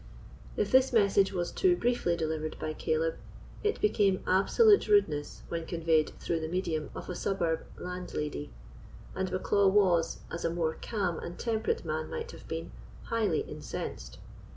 If this message was too briefly delivered by Caleb, it became absolute rudeness when conveyed through the medium of a suburb landlady; and Bucklaw was, as a more calm and temperate man might have been, highly incensed.